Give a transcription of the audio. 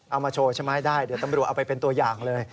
เอามาโชว์ใช่ไหมได้เดี๋ยวตำรวจเอาไปเป็นตัวอย่างเลย